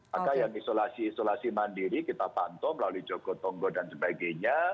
maka yang isolasi isolasi mandiri kita pantau melalui jogotongo dan sebagainya